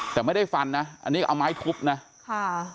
แต่ไม่ได้ฟันนะอันนี้เอาไม้ทุบนะค่ะ